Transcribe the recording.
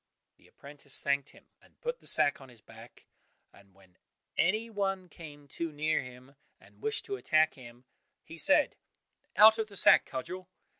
'" The apprentice thanked him, and put the sack on his back, and when any one came too near him, and wished to attack him, he said, "Out of the sack, Cudgel!"